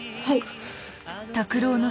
はい。